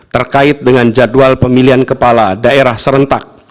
terkait dengan jadwal pemilihan kepala daerah serentak